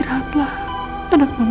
mereka akan memilih tangan mereka